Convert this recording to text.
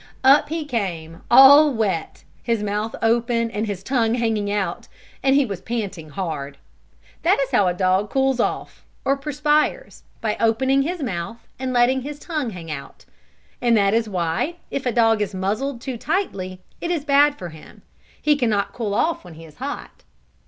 Up he came, all wet, his mouth open and his tongue hanging out, and he was panting hard. That is how a dog cools off, or perspires by opening his mouth and letting his tongue hang out. And that is why, if a dog is muzzled too tightly, it is bad for him. He can not cool off when he is hot.